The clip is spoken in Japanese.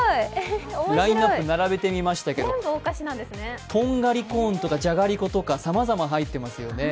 ラインナップ並べてみましたけれども、とんがりコーンとかじゃがりことかさまざま入っていますよね。